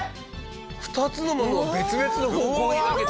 ２つのものを別々の方向に投げてる。